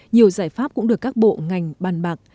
nhiều giải pháp cũng được các bộ ngành bàn bạc